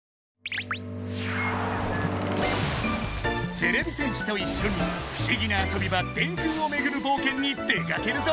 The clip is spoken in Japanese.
てれび戦士といっしょに不思議な遊び場電空をめぐる冒険に出かけるぞ！